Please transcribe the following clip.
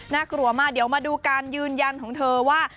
กลัวมากเดี๋ยวมาดูการยืนยันของเธอว่า